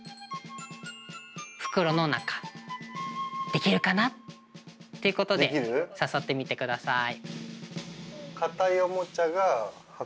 できるかな？ってことで誘ってみてください。